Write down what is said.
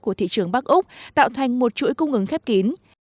của thị trường bắc úc tạo thành một chuỗi cung ứng khép kín